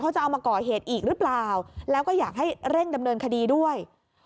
จะเอามาก่อเหตุอีกหรือเปล่าแล้วก็อยากให้เร่งดำเนินคดีด้วย